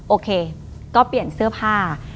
โอเคก็เปลี่ยนเสื้อผ้า